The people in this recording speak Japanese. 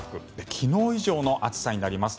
昨日以上の暑さになります。